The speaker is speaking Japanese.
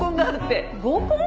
合コン？